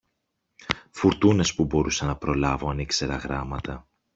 φουρτούνες που μπορούσα να προλάβω αν ήξερα γράμματα!